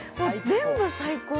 全部、最高。